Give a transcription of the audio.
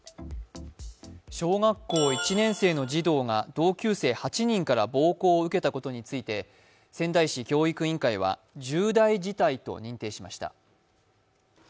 小学校一年生の児童が同級生８人から暴行を受けたことについて仙台市教育委員会は重大事態と認定しました。